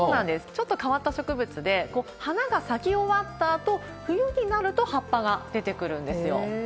ちょっと変わった植物で、花が咲き終わったあと、冬になると葉っぱが出てくるんですよ。